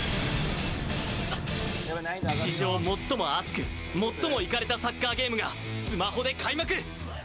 史上最も熱く最もいかれたサッカーゲームがスマホで開幕！